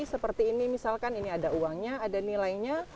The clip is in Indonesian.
seperti ini misalkan ini ada uangnya ada nilainya